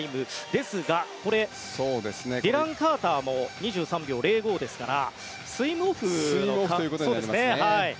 ですが、これディラン・カーターも２３秒０５ですからスイムオフという可能性もありますね。